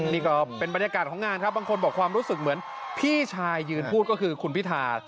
นี่ก็เป็นบรรยากาศของงานครับบางคนบอกความรู้สึกเหมือนพี่ชายยืนพูดก็คือคุณพิธา